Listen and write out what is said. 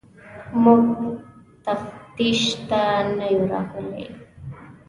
موږ تفتیش ته نه یو راغلي.